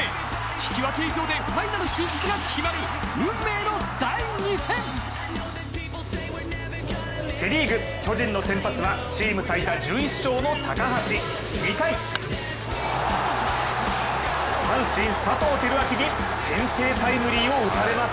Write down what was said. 引き分け以上でファイナル進出が決まるセリーグ、巨人の先発はチーム最多１１勝の高橋２回阪神・佐藤輝明に先制タイムリーを打たれます。